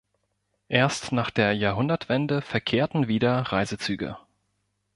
Erst nach der Jahrhundertwende verkehrten wieder Reisezüge.